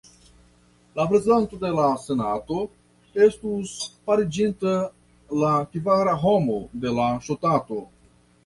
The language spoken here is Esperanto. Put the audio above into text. La prezidanto de la senato estus fariĝinta la kvara homo de la ŝtato.